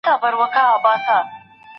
شپې اخیستی لاره ورکه له کاروانه